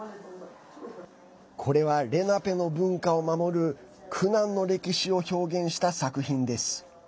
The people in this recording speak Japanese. これは、レナペの文化を守る苦難の歴史を表現した作品です。